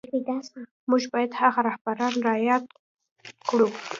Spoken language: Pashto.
موږ بايد هغه رهبران را ياد کړو.